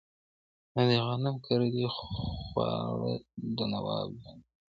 نه دې غنم کرلي خواره! د نواب جنګ دی